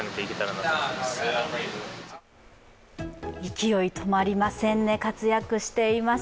勢い、止まりませんね活躍しています。